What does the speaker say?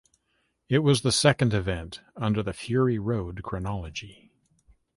It was the second event under the Fury Road chronology.